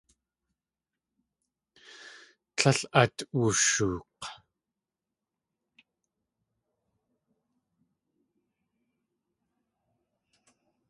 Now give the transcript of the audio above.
Tlél at wushook̲.